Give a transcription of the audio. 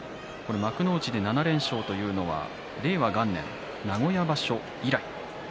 幕内で７連勝というのは令和元年、名古屋場所以来。